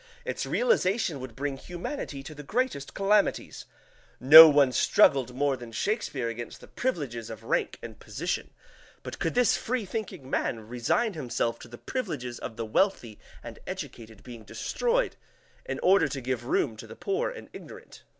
Its realization would bring humanity to the greatest calamities. No one struggled more than Shakespeare against the privileges of rank and position, but could this freethinking man resign himself to the privileges of the wealthy and educated being destroyed in order to give room to the poor and ignorant?